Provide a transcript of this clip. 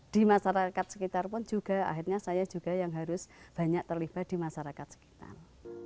di masyarakat sekitar pun juga akhirnya saya juga yang harus banyak terlibat di masyarakat sekitar